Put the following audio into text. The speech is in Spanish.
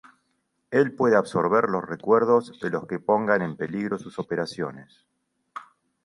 Él puede absorber los recuerdos de los que pongan en peligro sus operaciones.